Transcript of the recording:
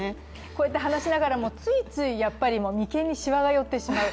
こうやって話ながらも、ついつい眉間にしわが寄ってしまう。